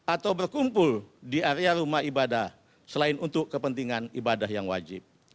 atau berkumpul di area rumah ibadah selain untuk kepentingan ibadah yang wajib